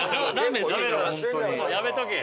やめとけ！